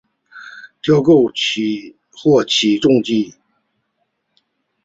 吊钩或起重机。